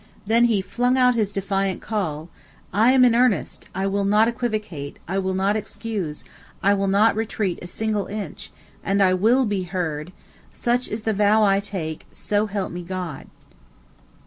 Then he flung out his defiant call: "I am in earnest I will not equivocate I will not excuse I will not retreat a single inch and I will be heard.... 'Such is the vow I take, so help me God.'"